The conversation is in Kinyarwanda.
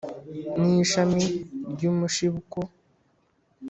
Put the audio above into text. Ni ishami ry'umushibuko